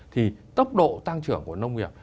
thì tốc độ tăng trưởng của nông nghiệp